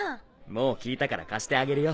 もう聞いたから貸してあげるよ。